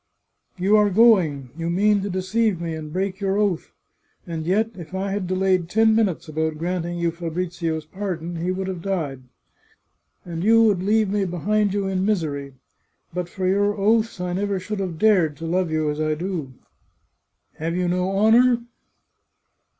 " You are going ! You mean to deceive me, and break your oath. And yet, if I had delayed ten minutes about granting you Fa brizio's pardon, he would have died ! And you would leave me behind you in misery ! But for your oaths I never should have dared to love you as I do. Have you no honour